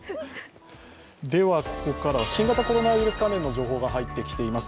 ここからは新型コロナウイルス関連の情報が入ってきています。